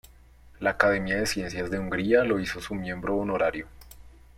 La Academia de Ciencias de Hungría lo hizo su miembro honorario.